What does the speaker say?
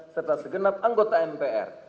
serta segenap anggota mpr